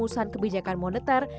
di perusahaan kebijakan moneter